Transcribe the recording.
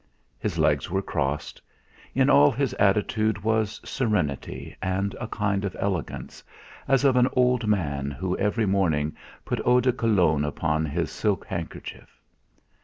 His legs were crossed; in all his attitude was serenity and a kind of elegance, as of an old man who every morning put eau de Cologne upon his silk handkerchief.